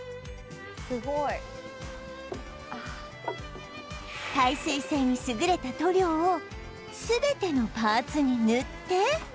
「すごい」耐水性に優れた塗料を全てのパーツに塗って